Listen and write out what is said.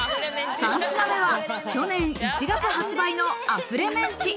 ３品目は去年１月発売の「あふれメンチ」。